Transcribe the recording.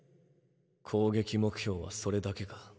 攻撃目標はそれだけか？